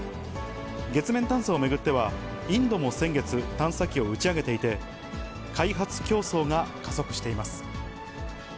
月面探査を巡っては、インドも先月、探査機を打ち上げていて、開発競争が加速しています。